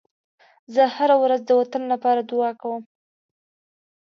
زه هره ورځ د وطن لپاره دعا کوم.